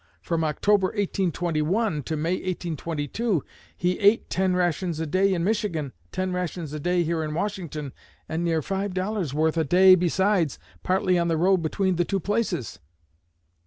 From October, 1821, to May, 1822, he ate ten rations a day in Michigan, ten rations a day here in Washington, and near five dollars' worth a day besides, partly on the road between the two places.